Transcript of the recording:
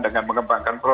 dengan mengembangkan produk